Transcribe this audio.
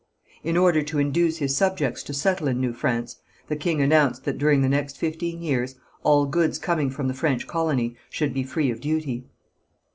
In order to induce his subjects to settle in New France the king announced that during the next fifteen years all goods coming from the French colony should be free of duty.